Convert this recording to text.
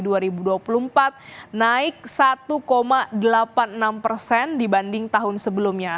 januari dua ribu dua puluh empat naik satu delapan puluh enam persen dibanding tahun sebelumnya